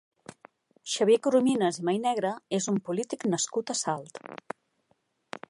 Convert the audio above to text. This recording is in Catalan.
Xavier Corominas i Mainegre és un polític nascut a Salt.